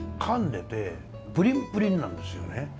噛んでてプリンプリンなんですよね。